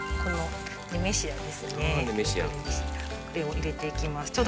これを入れていきます。